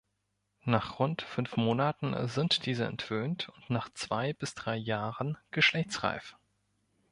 Nach rund fünf Monaten sind diese entwöhnt und nach zwei bis drei Jahren geschlechtsreif.